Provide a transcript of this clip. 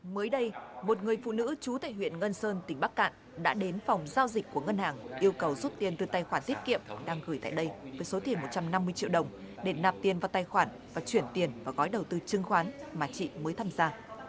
mới đây một người phụ nữ chú tại huyện ngân sơn tỉnh bắc cạn đã đến phòng giao dịch của ngân hàng yêu cầu rút tiền từ tài khoản tiết kiệm đang gửi tại đây với số tiền một trăm năm mươi triệu đồng để nạp tiền vào tài khoản và chuyển tiền vào gói đầu tư chứng khoán mà chị mới tham gia